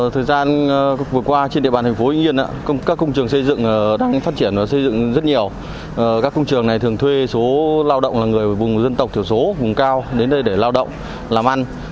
thời gian vừa qua trên địa bàn thành phố yên các công trường xây dựng đang phát triển và xây dựng rất nhiều các công trường này thường thuê số lao động là người vùng dân tộc thiểu số vùng cao đến đây để lao động làm ăn